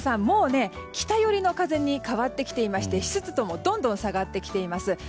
もう北寄りの風に変わってきていまして湿度もどんどん下がってきています。